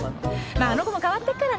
まああの子も変わってっからね。